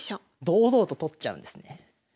堂々と取っちゃうんですね。